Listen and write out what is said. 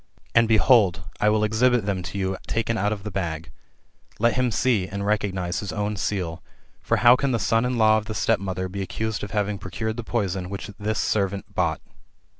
And behold, I will exhibit them to you taken out of the bag. Let him see, and recognise his own seal. For how can the son in law of the stepmother be accused of having procured the poison which this servant bought